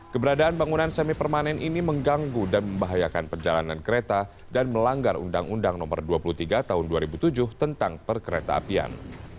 keberadaan bangunan semi permanen ini mengganggu dan membahayakan perjalanan kereta dan melanggar undang undang no dua puluh tiga tahun dua ribu tujuh tentang perkereta apian